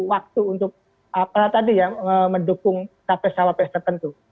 waktu untuk apa tadi ya mendukung capres cawapres tertentu